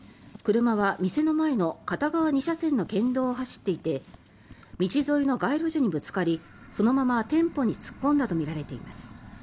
車は店の前の片側２車線の県道を走っていて道沿いの街路樹にぶつかりそのまま店舗に突っ込んだとみられています。